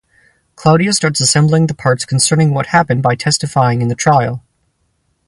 Claudia starts assembling the parts concerning what happened by testifying in the trial.